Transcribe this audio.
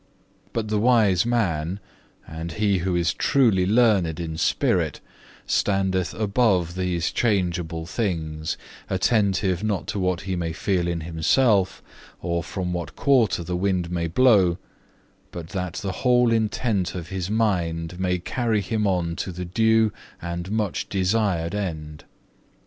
But the wise man, and he who is truly learned in spirit, standeth above these changeable things, attentive not to what he may feel in himself, or from what quarter the wind may blow, but that the whole intent of his mind may carry him on to the due and much desired end.